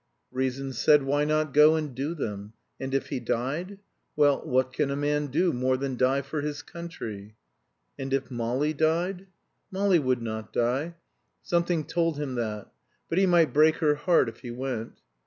Reason said: Why not go and do them? And if he died! Well, what can a man do more than die for his country? And if Molly died? Molly would not die. Something told him that. But he might break her heart if he went.